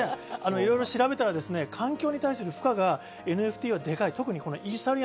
いろいろ調べたら環境に対する負荷がＮＦＴはでかい。